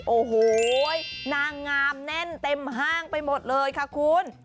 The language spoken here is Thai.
โอ้โหนางงามแน่นเต็มห้างไปหมดเลยค่ะคุณ